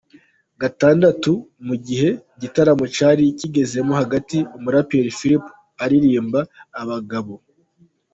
Gatandatu, mu gihe igitaramo cyari kigezemo hagati umuraperi Flip aririmba, abagabo.